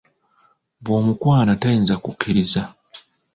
Bw'omukwana tayinza kukiriza.